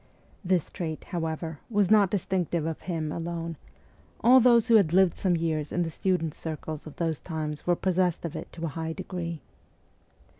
This trait, however, was not distinctive of him alone ; all those who had lived some years in the students' circles of those times were possessed of it *to a high degree.